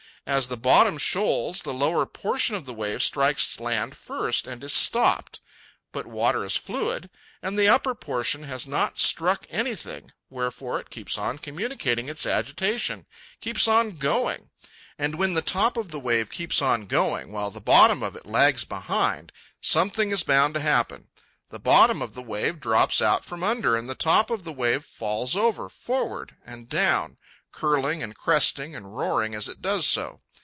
As the bottom shoals, the lower portion of the wave strikes land first and is stopped. But water is fluid, and the upper portion has not struck anything, wherefore it keeps on communicating its agitation, keeps on going. And when the top of the wave keeps on going, while the bottom of it lags behind, something is bound to happen. The bottom of the wave drops out from under and the top of the wave falls over, forward, and down, curling and cresting and roaring as it does so.